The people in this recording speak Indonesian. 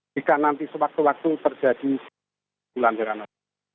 jika nanti suatu waktu terjadi ulang renok